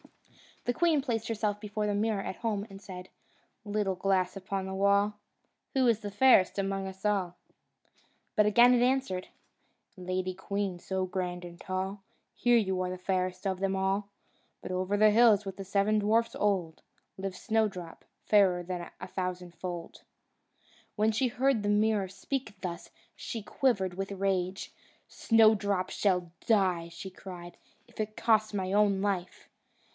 The queen placed herself before the mirror at home and said: "Little glass upon the wall, Who is fairest among us all?" But it again answered: "Lady queen, so grand and tall, Here you are fairest of them all; But over the hills, with the seven dwarfs old, Lives Snowdrop, fairer a thousandfold." When she heard the mirror speak thus, she quivered with rage. "Snowdrop shall die," she cried, "if it costs my own life!"